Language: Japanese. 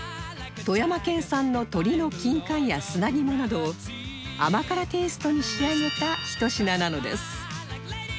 富山県産の鶏のキンカンや砂肝などを甘辛テイストに仕上げたひと品なのです